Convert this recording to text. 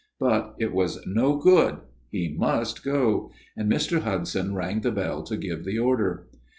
But it was no good ; he must go ; and Mr. Hudson rang the bell to give the order.